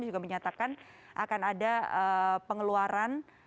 juga menyatakan akan ada pengeluaran